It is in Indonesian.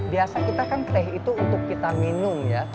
biasa kita kan teh itu untuk kita minum ya